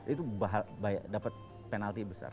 itu dapat penalti besar